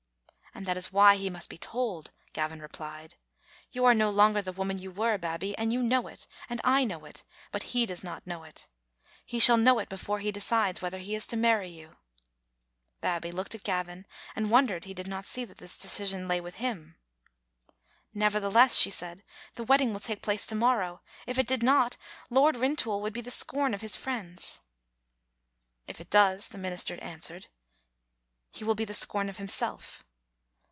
"And that is why he must be told of me," Gavin re plied. " You are no longer the woman you were. Bab bie, and you know it, and I know it, but he does not know it. He shall know it before he decides whether he is to marry you." Babbie looked at Gavin, and wondered he did not see that this decision lay with him. ^"Nevertheless," she said, "the wedding will take place to morrow; if it did not. Lord Rintoul would be the scorn of his friends." "If it does," the minister answered, "he will be the scorn of himself.